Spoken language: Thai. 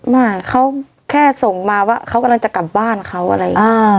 ไม่เค้าแค่ส่งมาว่าเค้ากำลังจะกลับบ้านเค้าอะไร